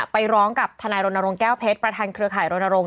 ไปร้องกับทนายรณรงค์แก้วเพชรประธานเครือข่ายรณรงค